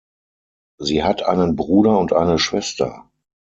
Sie hat einen Bruder und eine Schwester.